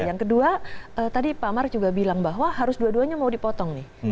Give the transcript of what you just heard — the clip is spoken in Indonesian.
yang kedua tadi pak mark juga bilang bahwa harus dua duanya mau dipotong nih